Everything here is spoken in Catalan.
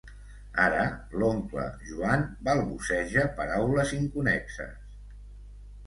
Ara l'oncle Joan balbuceja paraules inconnexes.